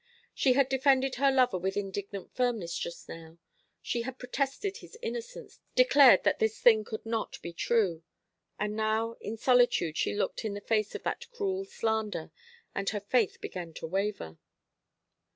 She had defended her lover with indignant firmness just now. She had protested his innocence declared that this thing could not be true; and now in solitude she looked in the face of that cruel slander, and her faith began to waver.